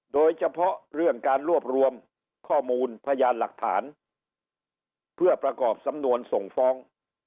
โดยเฉพาะเรื่องการรวบรวมข้อมูลพยานหลักฐานเพื่อประกอบสำนวนส่งฟ้อง